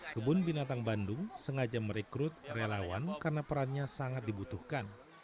kebun binatang bandung sengaja merekrut relawan karena perannya sangat dibutuhkan